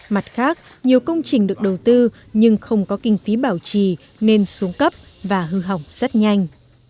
mặt khác nhiều công trình được đầu tư nhưng không có kinh phí bảo trì nên xuống cấp và hư hỏng rất nhanh